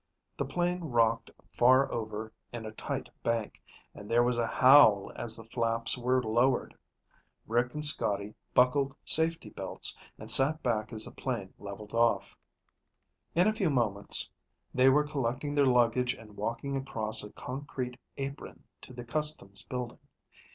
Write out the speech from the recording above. The plane rocked far over in a tight bank, and there was a howl as the flaps were lowered. Rick and Scotty buckled safety belts and sat back as the plane leveled off. In a few moments they were collecting their luggage and walking across a concrete apron to the customs building.